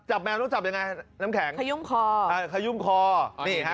แมวต้องจับยังไงน้ำแข็งขยุ่มคออ่าขยุ่มคอนี่ฮะ